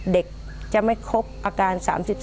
เด็กจะไม่ครบอาการ๓๔